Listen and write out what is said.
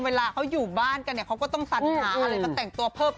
เวลาเขาอยู่บ้านกันเนี่ยเขาก็ต้องสัญหาอะไรมาแต่งตัวเพิ่ม